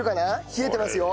冷えてますよ。